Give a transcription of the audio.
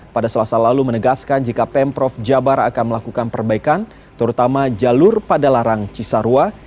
pada selasa lalu menegaskan jika pemprov jabar akan melakukan perbaikan terutama jalur padalarang cisarua